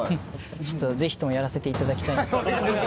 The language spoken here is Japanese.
ちょっとぜひともやらせていただきたい。